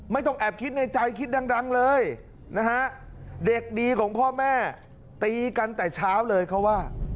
ไม่ต้องแอบคิดในใจคิดดังเลยนะฮะเด็กดีของพ่อแม่ตีกันแต่เช้าเลยเขาว่า